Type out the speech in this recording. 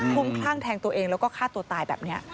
คุ้มคลั่งแทงตัวเองแล้วก็ฆ่าตัวตายแบบนี้